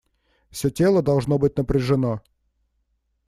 Все тело должно быть напряжено.